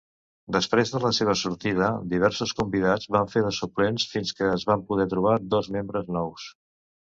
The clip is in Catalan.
Després de la seva sortida, diversos convidats van fer de suplents fins que es van poder trobar dos membres nous.